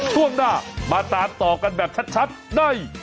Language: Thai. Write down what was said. ช่วงหน้ามาตามต่อกันแบบชัดใน